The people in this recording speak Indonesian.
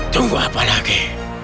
tunggu apa lagi